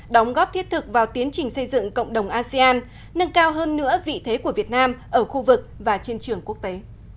đóng góp thiết thực vào tiến trình xây dựng cộng đồng asean nâng cao hơn nữa vị thế của việt nam ở khu vực và trên trường quốc tế